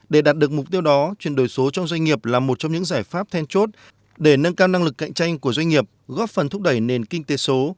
để đạt được mục tiêu đó chuyển đổi số trong doanh nghiệp là một trong những giải pháp then chốt để nâng cao năng lực cạnh tranh của doanh nghiệp góp phần thúc đẩy nền kinh tế số